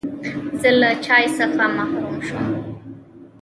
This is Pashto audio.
زه له چای څخه محروم شوم.